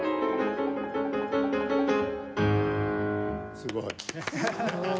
すごい。